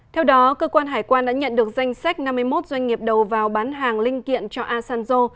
theo đó cơ quan hải quan đã nhận được danh sách năm mươi một doanh nghiệp đầu vào bán hàng linh kiện cho asanzo